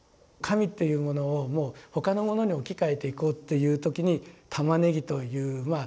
神っていうものをもう他のものに置き換えていこうっていう時に「玉ねぎ」という。